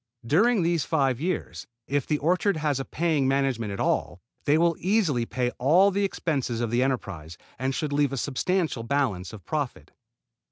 During these five years, if the orchard has a paying management at all, they will easily pay all the expenses of the enterprise, and should leave a substantial balance of profit.